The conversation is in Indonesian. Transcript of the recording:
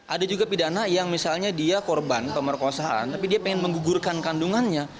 ada juga pidana yang misalnya dia korban pemerkosaan tapi dia ingin menggugurkan kandungannya